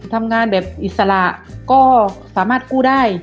ทำงานแบบอิสระก็สามารถกู้ได้